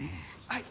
はい。